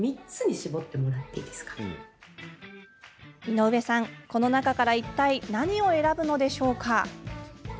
井上さん、この中からいったい何を選ぶのでしょうか。